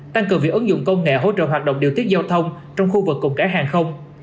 tăng cường việc ứng dụng công nghệ hỗ trợ hoạt động điều tiết giao thông trong khu vực cùng cả hàng không